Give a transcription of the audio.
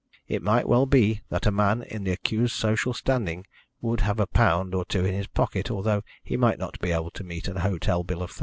It might well be that a man in the accused's social standing would have a pound or two in his pocket, although he might not be able to meet an hotel bill of £30.